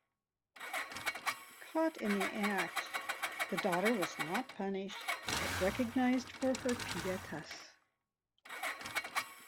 Caught in the act, the daughter was not punished, but recognized for her "pietas".